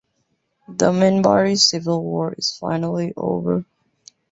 The Minbari civil war is finally over.